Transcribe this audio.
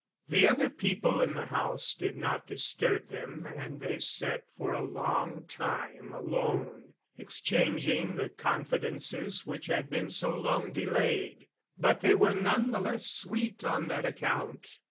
The other people in the house did not disturb them, and they sat for a long time alone, exchanging the confidences which had been so long delayed; but they were none the less sweet on that account.